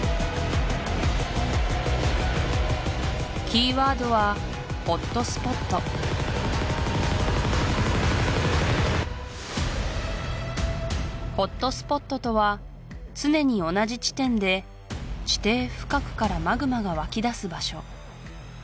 キーワードはホットスポットホットスポットとは常に同じ地点で地底深くからマグマが湧き出す場所